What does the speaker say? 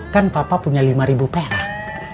kan papa punya lima perak